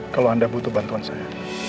kalau anda butuh bantuan saya